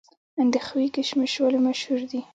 اندخوی کشمش ولې مشهور دي؟